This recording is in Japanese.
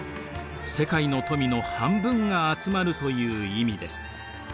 世界の富の半分が集まるという意味です。